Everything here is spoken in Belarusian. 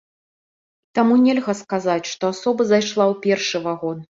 І таму нельга сказаць, што асоба зайшла ў першы вагон.